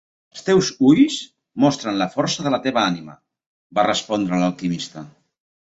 "Els teus ulls mostren la força de la teva ànima", va respondre l'alquimista.